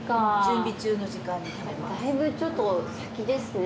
だいぶちょっと先ですね。